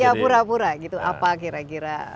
ya pura pura gitu apa kira kira